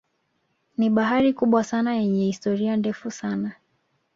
Ni bahari kubwa sana na yenye historia ndefu sana